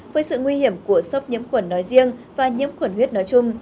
với sự nguy hiểm của sốc nhiễm khuẩn nói riêng và nhiễm khuẩn huyết nói chung